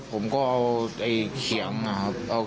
คุณต้องการรู้สิทธิ์ของเขา